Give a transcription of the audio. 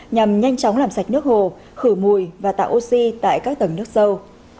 nhằm nhanh chóng làm sạch nước hồ khử mùi và tạo oxy tại các tầng nước sâu